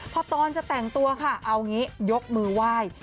พอตอนจะแต่งตัวค่ะเอางี้ยกมือไหว้